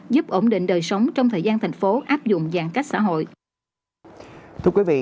giúp ổn định đời sống trong thời gian thành phố áp dụng giãn cách xã hội